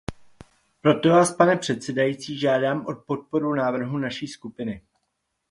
Proto vás, pane předsedající, žádám o podporu návrhu naší skupiny.